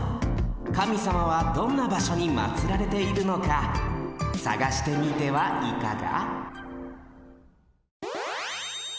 神様はどんなばしょにまつられているのかさがしてみてはいかが？